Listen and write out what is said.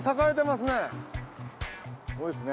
すごいっすね。